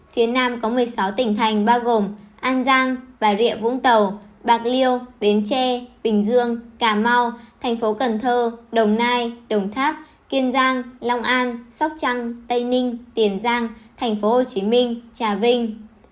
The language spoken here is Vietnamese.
phía nam có một mươi sáu tỉnh thành bao gồm an giang bà rịa vũng tàu bạc liêu bến tre bình dương cà mau tp cần thơ đồng nai đồng tháp kiên giang long an sóc trăng tây ninh tiền giang tp hồ chí minh trà vinh